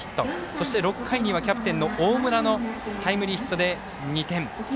そして、６回にはキャプテンの大村のタイムリーヒットで２点。